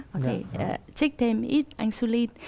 có thể trích thêm ít insulin